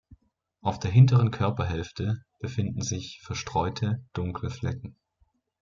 Auf der hinteren Körperhälfte befinden sich verstreute dunkle Flecken.